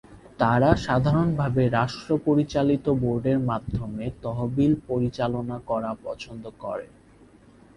তারা সাধারণভাবে রাষ্ট্র পরিচালিত বোর্ডের মাধ্যমে তহবিল পরিচালনা করা পছন্দ করে।